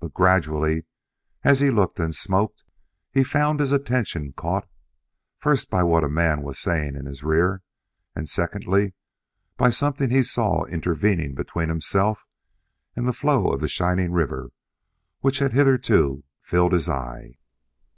But gradually, as he looked and smoked, he found his attention caught, first by what a man was saying in his rear, and secondly by something he saw intervening between himself and the flow of shining river which had hitherto filled his eye.